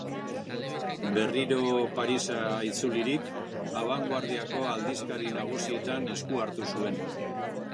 Berriro Parisa itzulirik, abangoardiako aldizkari nagusietan esku hartu zuen.